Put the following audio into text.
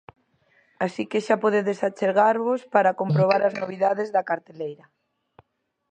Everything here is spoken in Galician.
Así que xa podedes achegarvos para comprobar as novidades da carteleira.